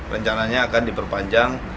rencananya akan diperpanjang